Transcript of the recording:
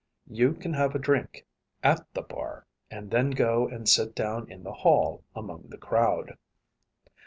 You can have a drink at the bar, and then go and sit down in the hall among the crowd.